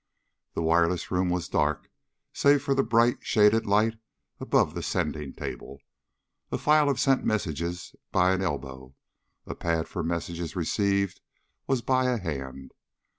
The wireless room was dark save for the bright, shaded light above the sending table. A file of sent messages by an elbow. A pad for messages received was by a hand.